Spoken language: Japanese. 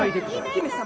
姫様！